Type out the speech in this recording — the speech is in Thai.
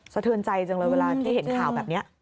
สะเทือนใจจังเลยเวลาที่เห็นข่าวแบบนี้